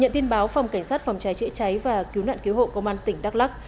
nhận tin báo phòng cảnh sát phòng cháy chữa cháy và cứu nạn cứu hộ công an tỉnh đắk lắc